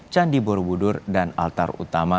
candi borobudur dan altar utama